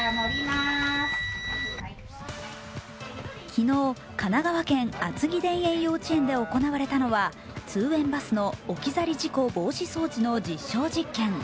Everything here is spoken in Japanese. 昨日、神奈川県、厚木田園幼稚園で行われたのは、通園バスの置き去り事故防止装置の実証実験。